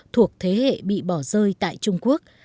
thuộc thế hệ bị bỏ rơi tại trung quốc